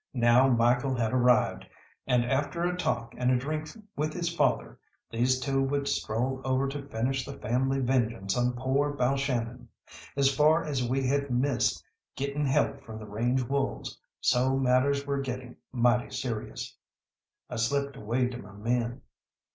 Now Michael had arrived, and after a talk and a drink with his father, these two would stroll over to finish the family vengeance on poor Balshannon. As far as we had missed getting help from the range wolves, so matters were getting mighty serious. I slipped away to my men.